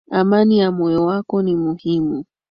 Amani ya moyo wako ni muhimu.